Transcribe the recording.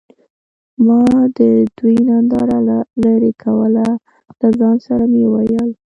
ما د دوي ننداره له لرې کوه له ځان سره مې وويل.